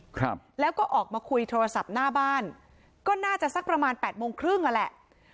ครับแล้วก็ออกมาคุยโทรศัพท์หน้าบ้านก็น่าจะสักประมาณแปดโมงครึ่งอ่ะแหละ